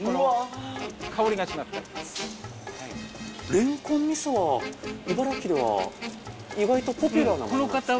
れんこん味噌は茨城では意外とポピュラーなものなんですか？